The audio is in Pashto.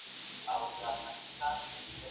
دا پروسه دوامدار کار غواړي.